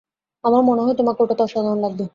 আমার মনে হয় তোমাকে ওটাতে অসাধারণ লাগবে।